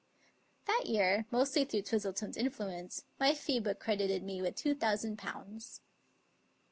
That year, mostly through Twistleton's influence, my fee book credited me with two thousand pounds.